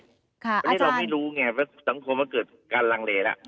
แต่นี่เรามีรู้ไงเพราะสังคมว่าเกิดการรั่งเลแล้ว